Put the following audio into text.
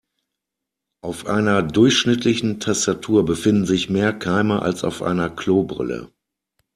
Auf einer durchschnittlichen Tastatur befinden sich mehr Keime als auf einer Klobrille.